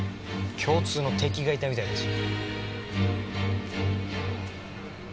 共通の敵がいたみたいだし。